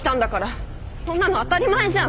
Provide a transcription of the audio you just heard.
そんなの当たり前じゃん！